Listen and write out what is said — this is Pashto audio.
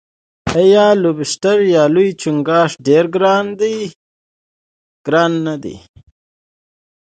آیا لوبسټر یا لوی چنګاښ ډیر ګران نه دی؟